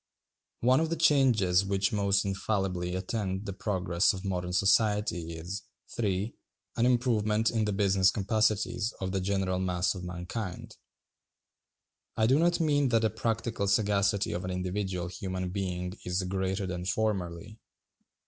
One of the changes which most infallibly attend the progress of modern society is, (3) an improvement in the business capacities of the general mass of mankind. I do not mean that the practical sagacity of an individual human being is greater than formerly.